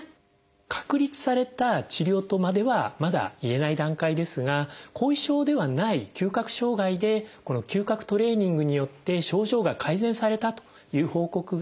確立された治療とまではまだ言えない段階ですが後遺症ではない嗅覚障害でこの嗅覚トレーニングによって症状が改善されたという報告があります。